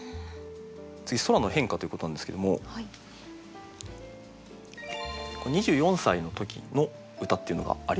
次「空」の変化ということなんですけれども２４歳の時の歌っていうのがあります。